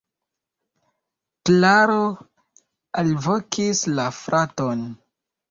Klaro alvokis la fraton.